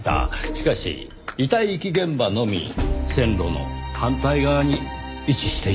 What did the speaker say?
しかし遺体遺棄現場のみ線路の反対側に位置していたんです。